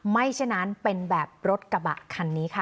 ฉะนั้นเป็นแบบรถกระบะคันนี้ค่ะ